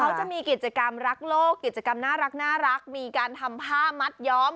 เขาจะมีกิจกรรมรักโลกกิจกรรมน่ารักมีการทำผ้ามัดย้อม